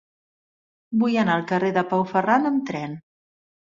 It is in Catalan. Vull anar al carrer de Pau Ferran amb tren.